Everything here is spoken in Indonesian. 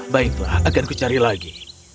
baiklah akan kucari lagi